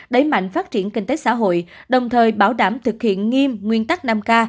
đẩy mạnh phát triển kinh tế xã hội đồng thời bảo đảm thực hiện nghiêm nguyên tắc năm k